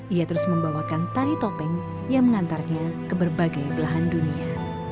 ia terus membawakan tari topeng yang mengantarnya ke berbagai belahan dunia